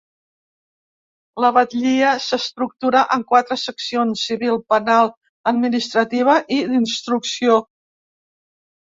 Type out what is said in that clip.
La Batllia s'estructura en quatre seccions: civil, penal, administrativa i d'instrucció.